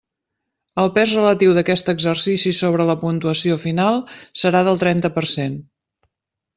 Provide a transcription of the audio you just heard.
El pes relatiu d'aquest exercici sobre la puntuació final serà del trenta per cent.